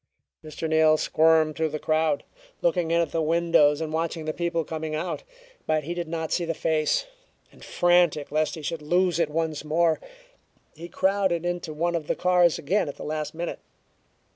Mr. Neal squirmed through the crowd, looking in at the windows and watching the people coming out; but he did not see the face, and frantic lest he should lose it once more, he crowded into one of the cars again at the last minute.